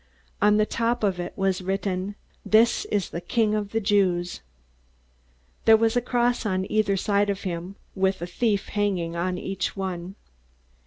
On the top of it was written: "This is the King of the Jews." There was a cross on either side of him, with a thief hanging on each one.